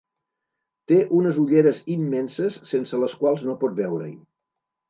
Té unes ulleres immenses sense les quals no pot veure-hi.